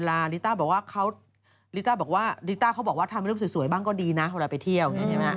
ลิต้าเขาบอกว่าทำรูปสวยบ้างก็ดีนะเวลาไปเที่ยว